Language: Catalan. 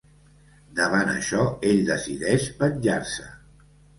Davant això ell decideix venjar-se.